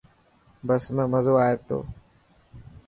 بس ۾ مزو آئي تو.